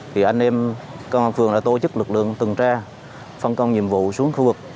thì anh em công an phường đã tổ chức lực lượng từng tra phân công nhiệm vụ xuống khu vực